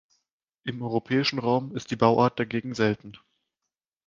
Im europäischen Raum ist die Bauart dagegen selten.